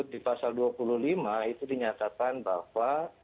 di pasal dua puluh lima itu dinyatakan bahwa